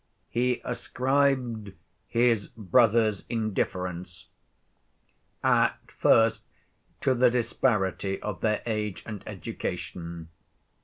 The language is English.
He ascribed his brother's indifference at first to the disparity of their age and education.